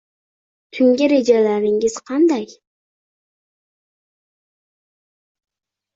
Tungi rejalaringiz qanday?